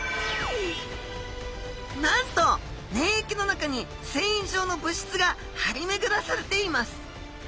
なんと粘液の中に繊維状の物質がはりめぐらされています。